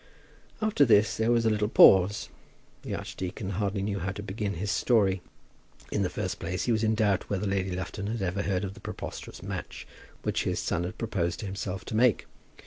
After this there was a little pause. The archdeacon hardly knew how to begin his story. In the first place he was in doubt whether Lady Lufton had ever heard of the preposterous match which his son had proposed to himself to make.